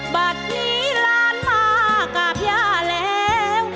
บัตรนี้ล้านมากับย่าแล้ว